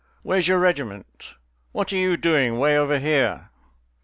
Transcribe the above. Where's your regiment? What you doing away over here?"